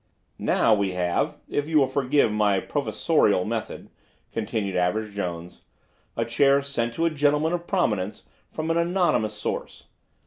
"Now, we have, if you will forgive my professorial method," continued Average Jones, "a chair sent to a gentleman of prominence from an anonymous source.